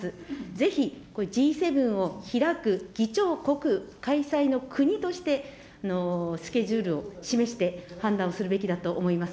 ぜひ、これ、Ｇ７を開く議長国、開催の国として、スケジュールを示して判断をするべきだと思います。